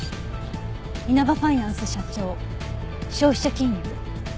「イナバファイナンス社長」消費者金融？